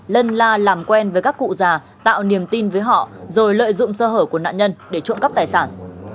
lân la làm quen với các cụ già tạo niềm tin với họ rồi lợi dụng sơ hở của nạn nhân để trộm cắp tài sản